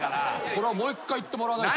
もう１回行ってもらわないと。